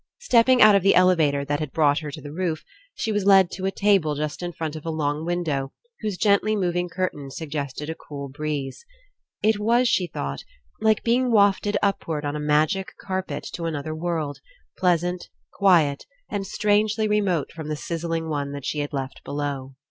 Stepping out of the elevator that had brought her to the roof, she was led to a table just In front of a long window whose gently moving curtains suggested a cool breeze. It was, she thought, like being wafted upward on a magic carpet to another world, pleasant, quiet, and strangely remote from the sizzling one that she had left below.